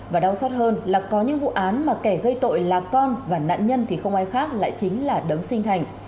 và đau xót hơn là có những vụ án mà kẻ gây tội là con và nạn nhân thì không ai khác lại chính là đấng sinh thành